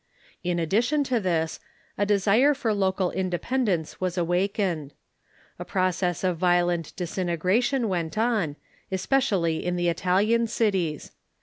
In addition to this, a desire for local independence was awakened. A process of violent disintegration went on, especially in the Italian cities.